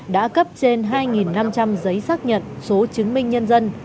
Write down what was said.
đã cấp trên hai năm trăm linh giấy xác nhận số chứng minh nhân dân